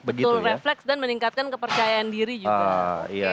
betul refleks dan meningkatkan kepercayaan diri juga